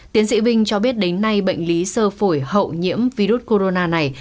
tiến sĩ vinh cho biết đến nay bệnh lý sơ phổi hậu nhiễm virus corona này